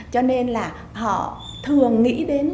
cho nên là họ thường nghĩ đến